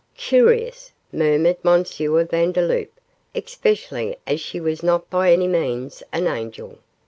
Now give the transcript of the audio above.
'Curious,' murmured M. Vandeloup, 'especially as she was not by any means an angel.